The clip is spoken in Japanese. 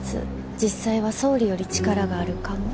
実際は総理より力があるかも？